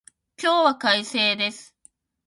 今日は快晴です